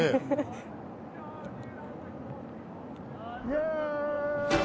・イエーイ！